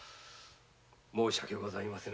申し訳ございませぬ。